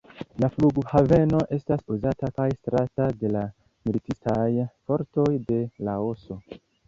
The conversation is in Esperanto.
La flughaveno estas uzata kaj estrata de la militistaj fortoj de Laoso.